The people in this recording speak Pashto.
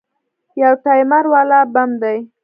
يو ټايمر والا بم دى.